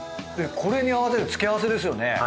これに合わせる付け合わせですよね。